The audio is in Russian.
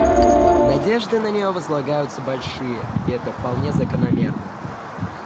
Надежды на нее возлагаются большие, и это вполне закономерно.